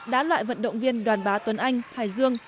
đã loại vận động viên đoàn bá tuấn anh hải dương